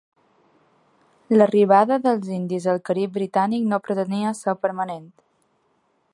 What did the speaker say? L'arribada dels indis al Carib britànic no pretenia ser permanent.